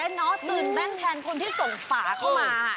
ตื่นเต้นเนาะตื่นแม่งแทนคนที่ส่งฝาเข้ามา